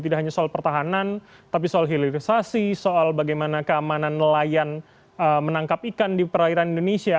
tidak hanya soal pertahanan tapi soal hilirisasi soal bagaimana keamanan nelayan menangkap ikan di perairan indonesia